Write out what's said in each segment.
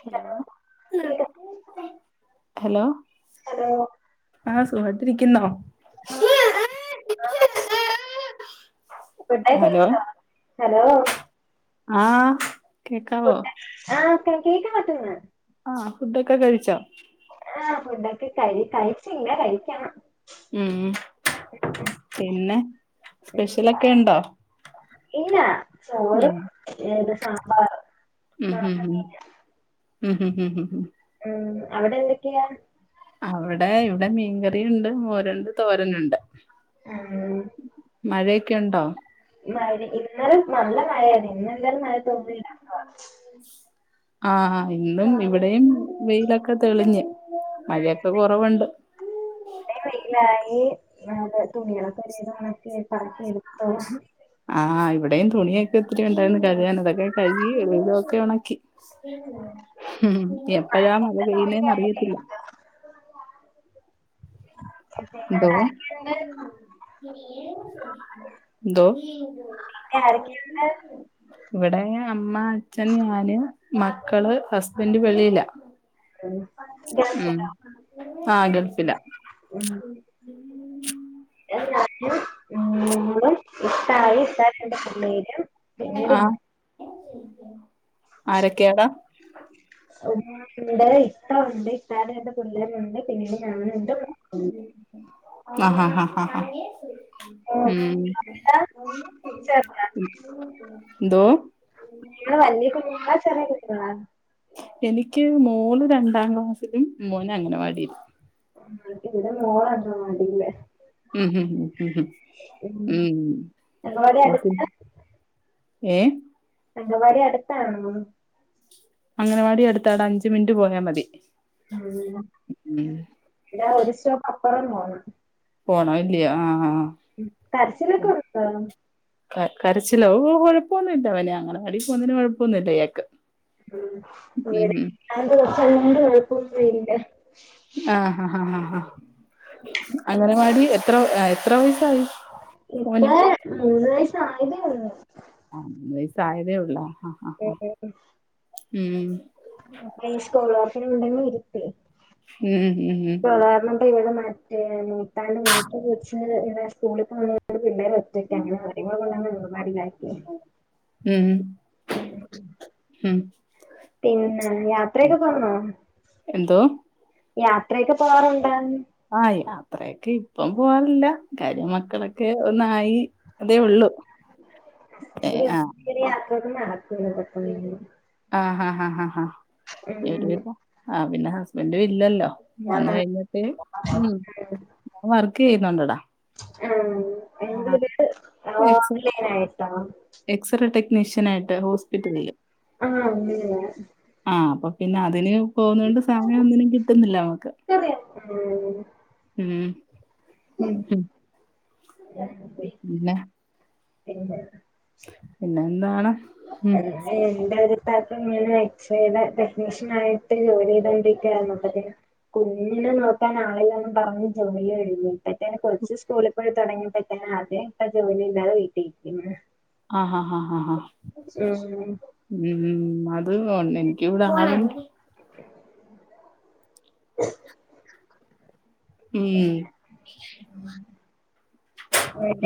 Hello hello hello ആഹ് സുഹാട്ടിരിക്കുന്നോ? ആ ഫുഡൊക്കെ കയ്ച്ചോ ഹലോ ആഹ് കേക്കാവോ? ആഹ് കേക്കാ കേക്കാപറ്റുന്നുണ്ട് ആഹ് ഫുഡൊക്കെ കഴിച്ചോ? ആഹ് ഫുഡൊക്കെ കഴ് കഴിച്ചില്ല കഴിക്കണം ഉം പിന്നെ സ്പെഷ്യലൊക്കെ ഇണ്ടോ? ഇല്ല ഉം ചോറും ഏത് സാമ്പാറും ഉം ഉം ഉം ഉണക്കമീന് ഉം ഉം ഉം ഉം ഉം അവിടെ എന്തെക്കെയാ? അവടെ ഇവിടെ മീൻകറിയുണ്ട്, മോരുണ്ട്, തോരനുണ്ട് ഉം മഴയെക്കെ ഉണ്ടോ? മഴ ഇന്നലെ നല്ല മഴേനി, ഇന്നെന്തായാലും മഴ തോർന്ന്ല്ല [unintelligible] ആഹ് ഇന്നും ഇവിടെയും വെയിലൊക്കെ തെളിഞ്ഞ്, മഴയൊക്കെ കൊറവുണ്ട് അവിടെ വെയിലായി തുണികളൊക്കെ ഒരേ സമയത്ത് പറ്ക്കി എടുത്തൂ ആഹ് ഇവിടെയും തുണിയൊക്കെ ഒത്തിരി ഉണ്ടായിരുന്നു കഴുകാൻ അതൊക്കെ കഴുകി വെലൊക്കെ ഒണക്കി എപ്പഴാ മഴ മഴയത്ത് തുണി പെയ്യ്ണെ കഴുകി ന്നറിയത്തില്ല എടുത്തു പിന്നെ ന്തോ അവിടെ ആരൊക്കെയുണ്ട് ന്തോ ആരെക്കെണ്ട് ഇവടെ അമ്മ അച്ഛൻ ഞാന് മക്കള് ഹസ്ബെന്റ് വെളിയില ഉം ഗൾഫിലോ ആഹ് ഗൽഫില ഉം വിടെ ഞാനും മോളും ഇത്തായിം ഇത്താത്തന്റെ പിള്ളേരും പിന്നീട് ആരെക്കെയാടാ? ഉപ്പ ഉണ്ട് ഇത്ത ഉണ്ട് ഇത്താടെ രണ്ട് പിള്ളേരുണ്ട് പിന്നീട് ഞാനുണ്ട് മോളുണ്ട് ആഹ് ഹാ ആഹ് ആഹ് മോൾക്കിതാ ഉം ചെറുതാ ന്തോ കുട്ടികൾ വല്യ കുട്ടികള ചെറിയ കുട്ടികള എനിക്ക് മോള് രണ്ടാം ക്ലാസ്സിലും മോന് അംഗനവാടിലും ആഹ് ഇവടെ മോളാ അംഗനവാടി ഉം ഉം ഉം അംഗൻവാടി ഓക്ക് അടുത്ത് ഏഹ് അംഗനവാടി അടുത്താണോ അംഗനവാടി അടുത്ത ഡാ അഞ്ച മിനിറ്റ് പോയാൽ മതി ഉം ഉം ഇതാ ഒരു സ്റ്റോപ്പപ്പുറം പോണം പോണം അല്ല്യോ ആഹ് ആഹ് കരചിലൊക്കെ ണ്ടോ കരച്ചിലോ ഓ കൊഴപ്പൊന്നുമില്ല അവനെ അങ്കണവാടി പോകന്നതിന് കൊഴപ്പമൊന്നുമില്ല യാക്ക് ഉം അവിടെ ണ്ട് കൊച്ചല്ലണ്ട് കുഴപ്പൊന്നല്ല ആഹ ഹാ ഹാ ഹാ ഹാ അങ്ങനവാടി എത്ര എത്ര വയസായി ഇപ്പ മോന് മൂന്ന് വയസ്സ് ആയതേ ഒള്ളൂ ആഹ് മൂന്ന് വയസ്സായതെ ഒള്ളൂ ഉം [unintelligible] ഉം ഉം ഉം സാധാരണ ഇവിടെ മറ്റേ മൂട്ടാന്റെ മൂട്ട [unintelligible] സ്കൂളിൽ പോവുന്ന പിള്ളേര് ഒറ്റക്കാണ് കാര്യങ്ങ കൊ [unintelligible] ഉം ഉം ഉം പിന്നെ ഉം യാത്രയൊക്കെ പോന്നോ എന്തോ യാത്രയൊക്കെ പോവാറുണ്ട് ആഹ് യാത്രയൊക്കെ ഇപ്പം പോവാറില്ല കാര്യ മക്കളൊക്കെ ഒന്നായി അതേ ഉള്ളൂ ഏ ആഹ് ശരിയാത്തും നടക്കൂല്ല ഒപ്പം ആഹ് ആഹ് ആഹ് [unintelligible] ഉം. ആ പിന്നെ ഹസ്ബന്റ് ഇല്ലല്ലോ വന്ന് ആ കഴിഞ്ഞ ഏ ഉം വർക്ക് ചെയ്യുന്നുണ്ടടാ ആ ആ, എന്തെയ്തിട്ട് ആ എക്സ ഓൺലൈൻ ആയിട്ടോ ആഹ് എക്സ്റേ ടെക്നീഷ്യൻ ആയിട്ട് ഹോസ്പിറ്റലിൽ ആ [unintelligible] ആ അപ്പൊ പിന്നെ അതിന് പോകുന്ന കൊണ്ട് സമയം ഒന്നിനും കിട്ടുന്നില്ല നമ്മുക്ക് ഉം ഉം ഉം ഉം പിന്നെ പിന്നെ പിന്നെന്താണ് ഉം എന്റെ അടുത്താർക്കും ഇങ്ങനെ എക്സയുടെ ടെക്നീഷ്യൻ ആയിട്ട് ജോലി ചെയ്തോണ്ടിരിക്കായിരുന്നു അപ്പത്തിന് കുഞ്ഞിനെ നോക്കാൻ ആളില്ലാന്നും പറഞ് ജോലി ഒഴിഞ്ഞു ഇപ്പറ്റേന് കൊർച്ച് സ്കൂള് പ്പോഴ തുടങ്ങി പറ്റാന ആദ്യ ഇപ്പ ജോലി ഇല്ലാതെ വീട്ടിരിക്കുന്നു ആഹ് ആഹ് ആഹ് ആഹ് [unintelligible] ഉം അത് ഓൺലൈൻക്ക് വിട [unintelligible] [unintelligible] ഉം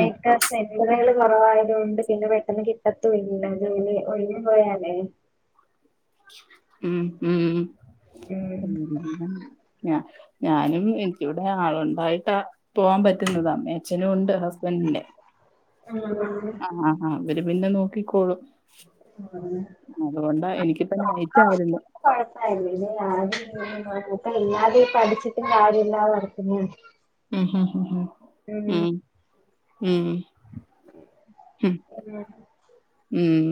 ഉം. [unintelligible] കുറവായത്കൊണ്ട് പിന്നെ പെട്ടെന്ന് കിട്ടത്തു ഇല്ല അത് ഒഴിഞ്ഞു പോയാലേ ഉം ഉം ഉം പിന്നെ ഞ്ഞാ ഞാനും എനിക്കിവിടെ ആളുണ്ടായിട്ട പോവാൻ പറ്റുന്നത് അമ്മേം അച്ഛനും ഉണ്ട് ഹസ്ബൻഡിന്റെ ആഹ് ആ ആ അവര് പിന്നെ നോക്കിക്കോളും അതുകൊണ്ടാ എനിക്കിപ്പ നൈറ്റായിരുന്നു കൊഴപ്പായില്ല ഇല്ല ആരപ്പ ഇല്ലാതെ പഠിച്ചിട്ടും കാര്യല്ലാ വക്കുന്നാണ് ഉം ഉം ഉം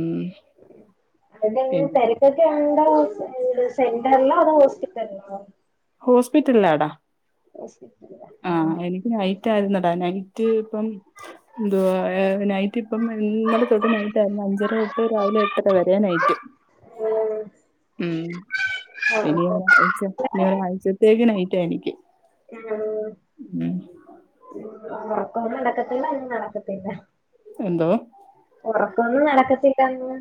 എന്തെങ്കിലും പിന്നെ തെര് [unintelligible] സെന്ററിലോ അതോ ഹോസ്പിറ്റലിലോ ഹോസ്പിറ്റലിലാടാ ഹോസ്പിറ്റലിലാ ആഹ് ഉം എനിക്ക് നൈറ്റ് ആരുന്നടാ നൈറ്റ് ഇപ്പം എന്തുവാ ഏ നൈറ്റ് ഇപ്പം ന്നലെ തൊട്ട് നൈറ്റായിരുന്നു അഞ്ചര തൊട്ട് രാവിലെ എട്ടര വരെ നൈറ്റ് ഉം ഇനി എന്താവും ച്ചെ ഇനി ഒരാഴ്ചത്തേക്ക് നൈറ്റ എനിക്ക് ആഹ് ഉം ഒറക്കവും നടക്കത്തില്ല [unintelligible] നടക്കത്തില്ല എന്തോ ഒറക്കവൊന്നും നടക്കത്തില്ലാന്ന്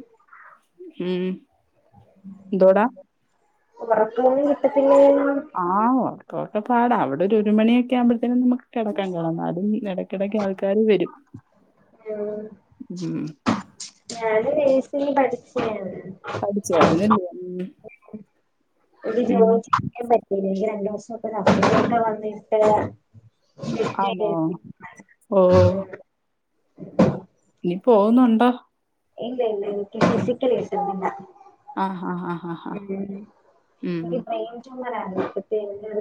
ഉം ന്തുവോട ഉറക്കവൊന്നും കിട്ടത്തില്ലേ എന്ന് ആ ഒറക്കക്കെ പാട അവിടെ ഒരു ഒരുമണിയെക്കെ ആകുമ്പഴത്തേനമുക്ക് കെടക്കാൻ കെടന്നാലും എടക്കെടക്ക് ആൾക്കാര് വരും ഉം ഉം ഞാന് പിന്നെ നേഴ്സിങ് പഠിച്ചാണ് [unintelligible] ഒരു [inaudible] ഉം പിന്നെ രണ്ടു ദിവസൊക്കെ നമ്മളിവിടെ വന്നിട്ട ആന്നോ ഉം ഇനി പോകുന്നൊണ്ടോ ഇല്ല ഇല്ല എനിക്ക് ഫിസിക്കലി [unintelligible] ആഹ് ആഹ് ആഹ് ആഹ് ഉം ഉം ഒരു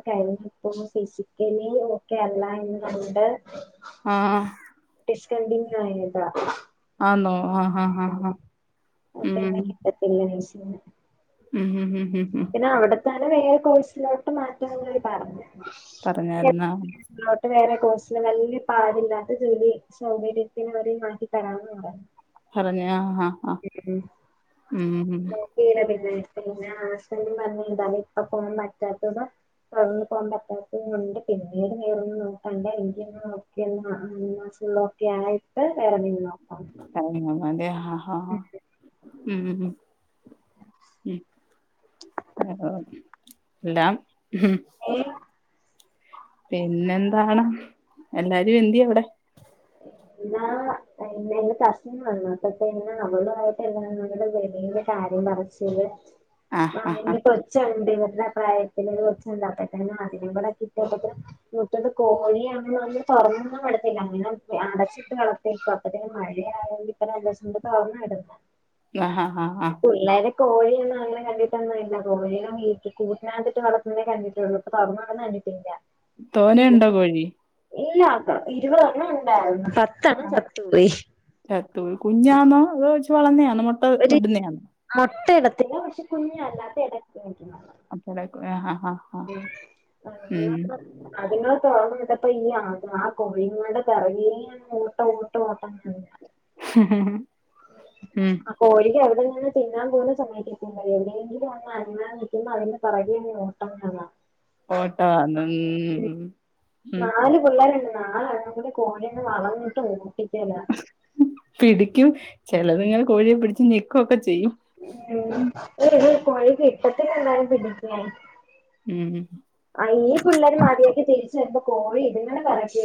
കഴിഞ്ഞപ്പോ ഫിസിക്കലി ഓക്കെ അല്ല എന്ന് കണ്ട് ആഹ് ഡിസ്‌കണ്ടിന്യു ആയത ആന്നോ ആഹ് ആഹ് ആഹ് ഉം എല്ലാ വർഷം ഉം ഉം ഉം ഉം ഉം പിന്നവടെത്തന്നെ വേറെ കോഴ്സിലോട്ട് മാറ്റന്നവര് പറഞ്ഞ് പറഞ്ഞായിരുന്നോ [unintelligible] വേറെ കോഴ്സ് വല്ല്യ പാടില്ലാത്ത ജോലി സൗകര്യത്തിനു മാറ്റി തരാവന്നു പറഞ്ഞു പറഞ്ഞ ആഹ് ആഹ് ആഹ് ഉം ഉം തീരെ പിന്നെ പിന്നെ [unintelligible] പറഞ്ഞ എന്താലും ഇപ്പ പോകാൻ പറ്റാത്തന്ന വർന്നന്ന് പോകാൻ പറ്റാത്ത കൊണ്ട് പിന്നീട് വേറൊന്ന് [unintelligible] ത് ആയിട്ട് വേറെ നി നോക്കാം [unintelligible] ആഹ് ആഹ് ആഹ് ഉം ഉം ഉം [inaudible] ല്ലാം ഉം ഉം പിന്നെന്താണ് എല്ലാരും എന്തിയെ അവിടെ [inaudible] [unintelligible] കാര്യം പറഞ്ഞ് [inaudible] ആഹ് ആഹ് ആഹ് [unintelligible] പ്രായത്തില് [unintelligible] [unintelligible] കോഴിയാണെന്നും പറഞ്ഞ് പറഞ്ഞൊന്നും വിടത്തില്ല [unintelligible] അടച്ചിട്ട് വളർത്തി അപ്പത്തെക്ക് മഴയായൊണ്ട് ജസ്റ്റ് ഒന്ന് തൊർന്നട്ടത് ങ്ങാ ആഹ് ആഹ് ആഹ് പുള്ളാരെ കോഴിയൊന്നുങ്ങനകണ്ടിട്ടൊന്നും ഇല്ല കോഴിനെ വീ കൂട്ടിനാത്തിട്ട് വളർത്തുന്നതേ കണ്ടിട്ടൊള്ളു പറന്നുപോണത് കണ്ടിട്ടില്ല തോനെയൊണ്ടോ കോഴി ഇല്ലാത്ത ഇരുപതെണ്ണം ഉണ്ടായിരുന്നു പത്തെണ്ണം ആഹ് ചത്തുപോയി ചത്തുപോയി കുഞ്ഞാന്നോ അതോ ച്ചി വളന്നേയാണോ മൊട്ട ഒരു ഇടുന്നേയാന്നോ മൊട്ട ഇടത്തില്ല ക്ഷെ കുഞ്ഞല്ലാത്ത ടയ്ക്ക [unintelligible] ആഹ് ആഹ് ആഹ് ഉം ഉം [unintelligible] അതിങ്ങളെ തൊർന്നുവിട്ട പ്പ ഇയ്യ ആ കോഴിങ്ങൾടെ പെറാകീന്ന്‌ കൂട്ടോട്ടം ഓട്ടം ഉം ഉം കോഴിക്കെവ്ടെങ്കിലുംത്തിന്നാൻ പോലും സമയത്തിക്ക എവിടെയെങ്കിലൊന്നു ഒന്നനങ്ങാ നിൽക്കുമ്പ അതിന്പെറാകേ നിന്ന് [unintelligible] ഒട്ടാവാ [unintelligible] നാല് പിള്ളേരുണ്ട് നാലെണ്ണം കൂടികോഴീനെ വളന്നിട്ട് ഓടിക്കലാ ഉം പിടിക്കും ചെലതുങ്ങള് കോഴിയെ പിടിച്ച് ഞ്ഞെക്കൊക്കെ ചെയ്യും [unintelligible] കോഴി [unintelligible] ഉം ഉം അയ്ന് ഈ പിള്ളേര് മതിയാക്കി തിരിച്ച് വരുമ്പം കോഴി ഇതിങ്ങനെ പറത്തി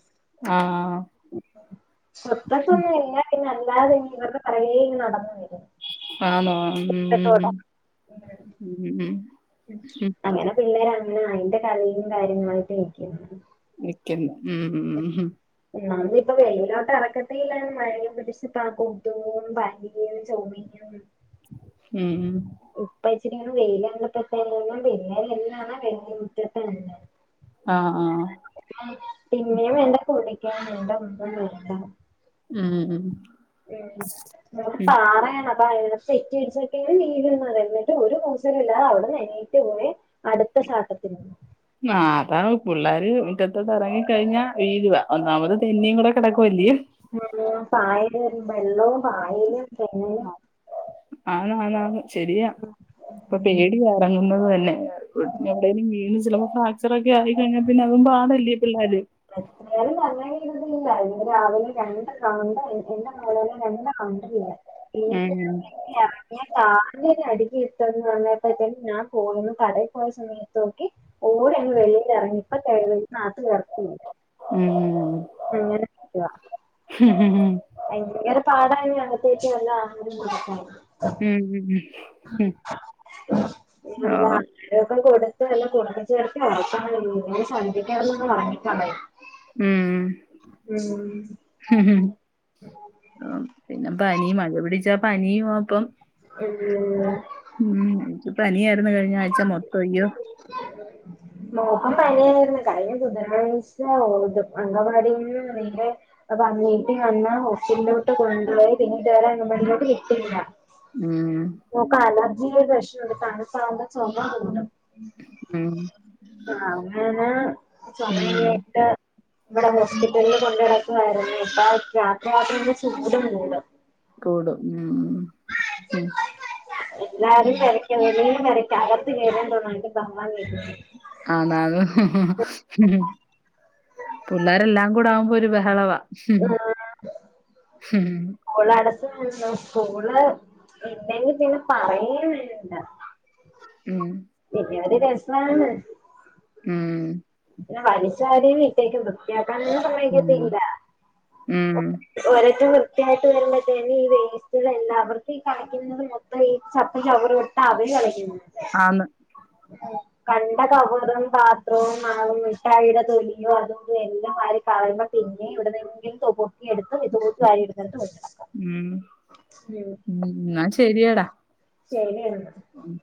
[unintelligible] ആഹ് [unintelligible] നടന്നുവരും ആണോ ഉം ഉം ഉം ഉം ഉം അങ്ങനെ പിള്ളേര് അങ്ങനെ അയിന്റെ കളീലും കാര്യങ്ങളായിട്ട് നിക്കാണ് ക്കില്ല ഉം ഉം ഉം ഉം ഉം ആഹ് അതിനിപ്പം വെളിലോട്ടെറക്കത്തില്ല മഴയത്ത് [unintelligible] [unintelligible] [unintelligible] ഉം ഉം ഉപ്പേച്ചീല്ലെങ്കിലും വെയിലൊന്ന് തട്ടെങ്കില് [unintelligible] ആഹ് ആഹ് പിന്നെയും വേണ്ടേ തുള്ളിയ്ക്കാണ് ഡമ്പല്ലേ ടം ആഹ് വേണ്ട ഞങ്ങൾത് പാറയാണ് അപ്പ അ തെറ്റിയടിച്ചിയ്ക്കാണ് വീണ് മറഞ്ഞിട്ട് ഒരു കൂസലില്ലാതെ അവിടുന്ന് എണീ അട്ത്ത ചാട്ടത്തിന് ന്നാ താണ് പുള്ളേര് മിറ്റത്തോട്ട് എറങ്ങി കഴിഞ്ഞാൽ വീഴുവാ ഒന്നാമത് തെന്നിയും കൂടെ കിടക്കുവല്ലേ മുഴുവൻ പായല് ബെള്ളോം പായലും തെങ്ങും ആഹ് ആന്ന്‌ ആന്ന് ആന്ന് ശരിയാ ഇപ്പൊ പേടിയാ എറങ്ങുന്നത് തന്നെ എ എവ്ടേലും വീണും ചിലപ്പോ ഫ്രാക്ചർ ഒക്കെ ആയി കയിഞ്ഞാൽ പിന്നെ അതും പാടല്ലേ പിള്ളേര് എത്രേയാലും [unintelligible] ഉം ഇനിപ്പം [inaudible] ഞാൻ കാലിനാ അടികിട്ടും പറഞ്ഞയപ്പത്തേക്കും ഞാൻ പോന്നു കടയിൽ പോയ സമയത്തോക്കി ഓരങ് വെളിയിലെറങ്ങി ഇപ്പ [unintelligible] ഉം ഉം അങ്ങനൊക്കെയാ ഹ് ഭയങ്കര പാടായ അങ്ങത്തേറ്റ് നല്ല ആഹാരം കൊടുക്കാൻ ഉം ഉം ഉം [unintelligible] വല്ലോം ആഹ് ഒക്കെ കൊടുത്ത് എല്ലാം കൊടുത്തു ചേർത്തി [unintelligible] ശർധിക്കാള്ളത് ഉറങ്ങിട്ടാണ് ഉം ഉം പിന്നെ പനി മഴ പിടിച്ചാ പനിയും അപ്പം ഉം ഉം ഇൻക്ക് പനിയായിരുന്നു കഴിഞ്ഞ ആഴ്ച്ച മൊത്തം അയ്യോ. ഉം മോൾക്കും പനിയായിരുന്നു കഴിഞ്ഞ ബുധനാഴ്ച അങ്കവാടിന്ന് നേരെ. അപ്പൊ അനിയത്തി വന്നാ ഹോസ്പിറ്റലോട്ട് കൊണ്ടുപോയി പിന്നെ ഇതുവരെ അങ്കൻവാടിയിലോട്ട് വിട്ടില്ല. ഉം മോക്ക് അലർജിടെ പ്രശ്നണ്ട് തണുപ്പാക്മ്പോ ചൊമ കൂടും. ഉം ആഹ് അങ്ങന ഉം ചൊമയായിട്ട് ഇവിടെ ഹോസ്പിറ്റലിൽ കൊണ്ട് നടക്കുവായിരുന്നു അപ്പ രാത്രിയാകുമ്പൊ ചൂടു കൂടും. കൂടും ഉം ഉം എല്ലാരും വെരക്കും [unintelligible] വെരക്കും അകത്ത് [unintelligible] ബഹളം കേക്കുന്നുണ്ട് അതാണ് പിള്ളേരെല്ലാം കൂടെ ആകുമ്പോ ഒരു ബഹളവാ. ഹ് ഹ് സ്കൂൾ അടച്ചു സ്കൂള് ഇല്ലെങ്കിൽ പിന്നെ പറയേംവേണ്ട. ഉം പിന്നെ അത് രസമാണ് ഉം പിന്നെ വലിച്ച് വാരിയങ്ങ് ഇട്ടേക്കും വൃത്തിയാക്കാനൊന്നും സമ്മതിക്കത്തില്ല ഉം ഉം. ഒരോടത്ത് വൃത്തിയായിട്ട് വരുമ്പോത്തേെ ഈ വേസ്റ്റുകൾ എല്ലാവർക്കും ഈ കളിക്കുന്നത്. ഈ ചപ് ചവറ് എടുത്ത അവര് കളിക്കുന്നെ. ആന്ന് [unintelligible] കണ്ട കവറും [unintelligible] മിഠായിയുടെ തൊലിയോ [unintelligible] വാരിക്കളയു പിന്നെ എവിടുന്നെങ്കിലും [unintelligible] എടുത്ത് ഇത് പോത്ത് കാര്രി എടുക്കട്ട് വക്കാം ഉം ഉം ശരി എന്നാ ഉം